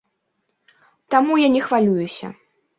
Таму я не хвалююся.